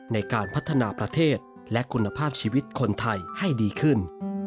ในการพัฒนาประเทศและคุณภาพชีวิตคนไทยให้ดีขึ้น